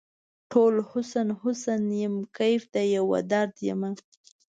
ټوله حسن ، حسن یم کیف د یوه درد یمه